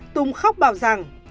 tùng khóc bảo rằng